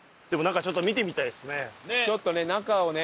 ちょっとね中をね。